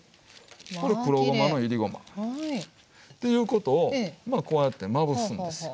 これ黒ごまの煎りごま。っていうことをこうやってまぶすんですよ。